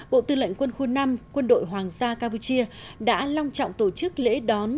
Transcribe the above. bộ tư lệnh quân khu năm quân đội hoàng gia campuchia đã long trọng tổ chức lễ đón